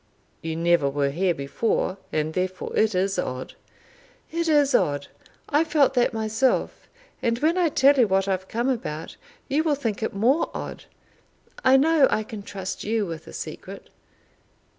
"You never were here before; and therefore it is odd." "It is odd; I felt that myself. And when I tell you what I have come about you will think it more odd. I know I can trust you with a secret."